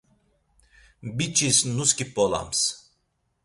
Biç̌is nusǩip̌olams.